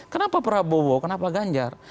kenapa prabowo kenapa ganjar